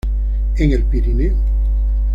En el Pirineo.